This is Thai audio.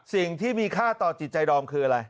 สิ่งที่มีค่าต่อจิตใจดอมคืออะไร